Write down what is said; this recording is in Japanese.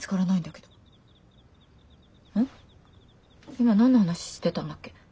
今何の話してたんだっけ。